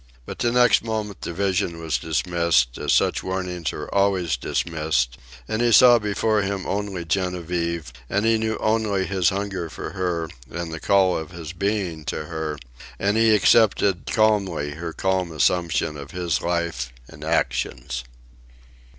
But the next moment the vision was dismissed, as such warnings are always dismissed, and he saw before him only Genevieve, and he knew only his hunger for her and the call of his being to her; and he accepted calmly her calm assumption of his life and actions.